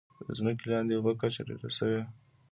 د ځمکې لاندې اوبو کچه ټیټه شوې؟